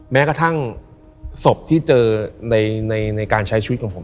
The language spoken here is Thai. แม้กระทั่งศพที่เจอในการใช้ชีวิตของผม